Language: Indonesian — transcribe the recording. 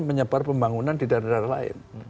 menyebar pembangunan di daerah daerah lain